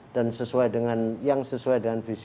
dan yang sesuai dengan visi